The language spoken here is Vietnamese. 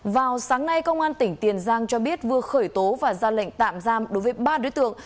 vào sáng nay công an tỉnh tiền giang cho biết vừa khởi tố và ra lệnh tạm giam đối với ba đối tượng